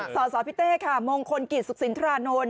สาวพี่เต้ค่ะมงคลกิจสุขศิลป์ธุระโน้น